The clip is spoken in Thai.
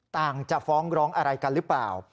จะฟ้องร้องอะไรกันหรือเปล่า